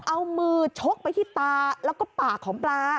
เอามือชกไปที่ตาแล้วก็ปากของปลา